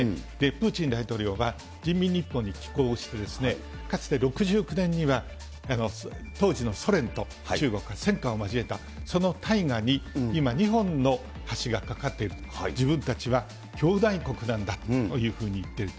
プーチン大統領は、人民日報に寄稿をして、かつて６９年には、当時のソ連と中国は戦火を交えた、その大河に今、日本の橋が架かっていると、自分たちはきょうだい国なんだというふうに言っていると。